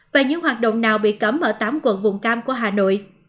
và những hoạt động nào bị cấm ở tám quận vùng cam của hà nội